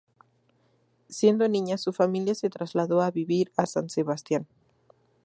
Siendo niña, su familia se trasladó a vivir a San Sebastián.